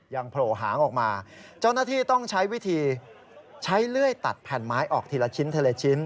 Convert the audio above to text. โผล่หางออกมาเจ้าหน้าที่ต้องใช้วิธีใช้เลื่อยตัดแผ่นไม้ออกทีละชิ้นทีละชิ้น